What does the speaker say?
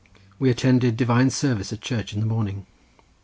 We attended Divine service at church in the morning.